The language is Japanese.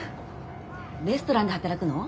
レストランで働くの？